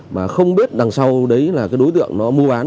mà không biết đằng sau đấy là cái đối tượng nó mua bán